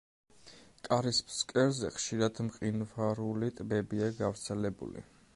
კარის ფსკერზე ხშირად მყინვარული ტბებია გავრცელებული.